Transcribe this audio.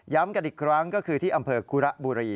กันอีกครั้งก็คือที่อำเภอคุระบุรี